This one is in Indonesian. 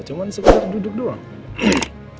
cuma sekarang duduk doang